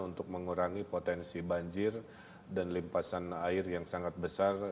untuk mengurangi potensi banjir dan limpasan air yang sangat besar